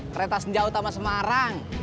kereta senja utama semarang